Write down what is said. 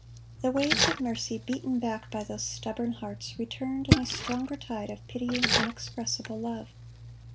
The waves of mercy, beaten back by those stubborn hearts, returned in a stronger tide of pitying, inexpressible love.